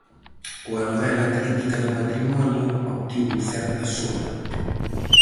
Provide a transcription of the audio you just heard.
Coa novela crítica do matrimonio, obtivo certa sona.